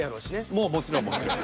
もうもちろんもちろん。